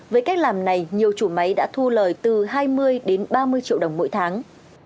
với cách làm này nhiều chủ máy đã thu lời từ hai mươi đến ba mươi triệu đồng mỗi tháng